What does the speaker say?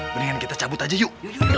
mendingan kita cabut aja yuk